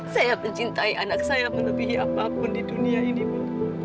saya mencintai anak saya menempuhi apa pun di dunia ini ibu